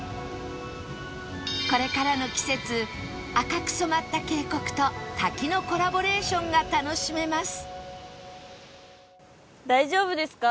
これからの季節赤く染まった渓谷と滝のコラボレーションが楽しめます